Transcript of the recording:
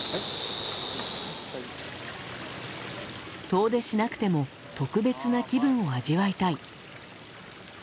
遠出しなくても特別な気分を味わいたい。